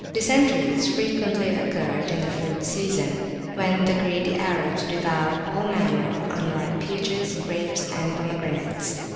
[p.388] Dysenteries frequently occur in the fruit season, when the greedy Arabs devour all manner of unripe [p.389]peaches, grapes, and pomegranates.